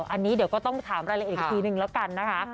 อันนี้เดี๋ยวก็ต้องถามรายละเอียดอีกทีนึงแล้วกันนะคะ